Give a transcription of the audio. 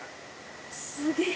すげえ！